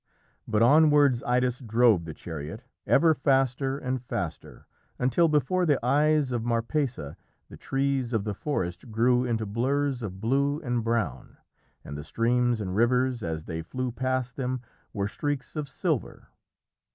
But onwards Idas drove the chariot, ever faster and faster, until before the eyes of Marpessa the trees of the forest grew into blurs of blue and brown, and the streams and rivers as they flew past them were streaks of silver.